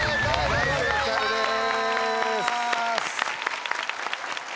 大正解です。